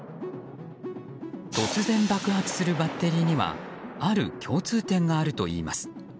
突然、爆発するバッテリーにはある共通点があるといいます。